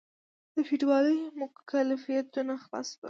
د فیوډالي مکلفیتونو خلاص شول.